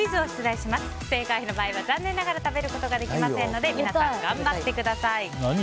不正解の場合は残念ながら食べることができませんので皆さん、頑張ってください。